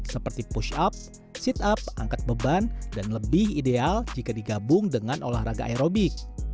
seperti push up sit up angkat beban dan lebih ideal jika digabung dengan olahraga aerobik